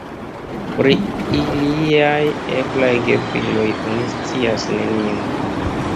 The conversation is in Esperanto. Pri iliaj eblaj gefiloj oni scias nenion.